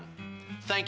terima kasih banyak